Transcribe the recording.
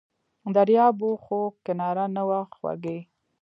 دریاب و خو کناره نه وه خوږې!